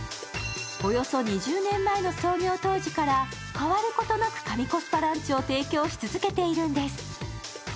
およそ２０年前の創業当時から変わることなく神コスパランチを提供し続けているんです。